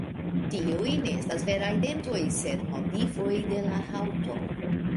Tiuj ne estas veraj dentoj, sed modifoj de la haŭto.